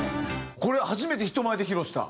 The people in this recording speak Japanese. これ初めて人前で披露した？